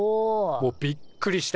もうびっくりした。